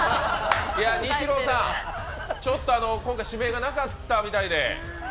ニッチローさん、ちょっと今回、指名がなかったみたいで。